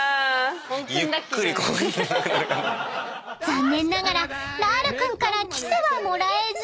［残念ながらラアル君からキスはもらえず］